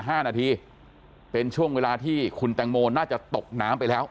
ห้านาทีเป็นช่วงเวลาที่คุณแตงโมน่าจะตกน้ำไปแล้ว